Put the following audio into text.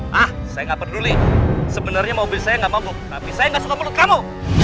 hah saya gak peduli sebenarnya mobil saya gak mampu tapi saya gak suka mulut kamu